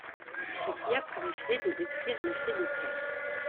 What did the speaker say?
Ce qui a pour effet de détruire l'effet de place.